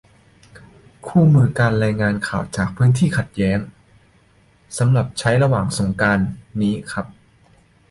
คู่มือการรายงานข่าวจากพื้นที่ขัดแย้ง - สำหรับใช้ระหว่างสงกรานต์นี้ครับ